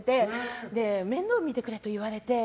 面倒見てくれと言われて。